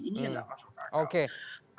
ini yang tidak masuk akal